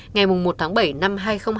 ngày một tháng bảy năm hai nghìn hai mươi